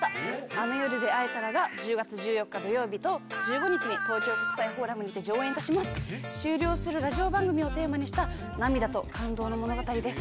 「あの夜であえたら」が１０月１４日土曜日と１５日に東京国際フォーラムにて上演いたします終了するラジオ番組をテーマにした涙と感動の物語です